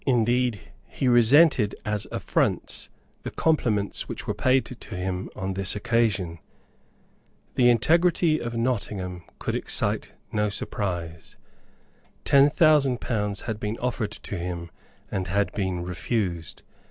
Indeed, he resented as affronts the compliments which were paid him on this occasion. The integrity of Nottingham could excite no surprise. Ten thousand pounds had been offered to him, and had been refused.